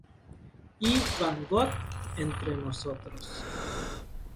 E. van Vogt, entre otros.